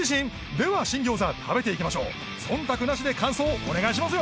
では新ギョーザ食べていきましょう忖度なしで感想お願いしますよ